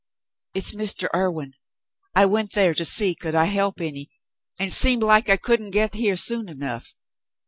"It's Mr. Irwin. I went there to see could I help any, and seemed like I couldn't get here soon enough.